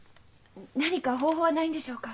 何か方法はないんでしょうか？